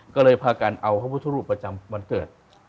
ก็เลยพากันเอาพระพุทธรูปประจำวันเกิด